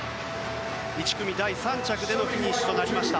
１組で第３着でのフィニッシュとなりました。